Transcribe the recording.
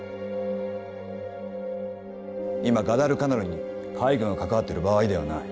今ガダルカナルに海軍が関わってる場合ではない。